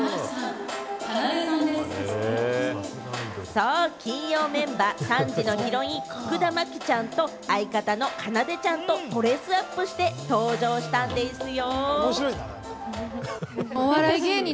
そう、金曜メンバー、３時のヒロイン・福田麻貴ちゃんと相方のかなでちゃんとドレスアップして、登場したんですよ。